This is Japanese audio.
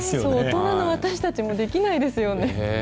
大人の私たちもできないですよね。